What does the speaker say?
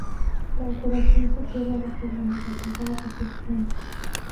La operación se cierra bajo la modalidad de cesión.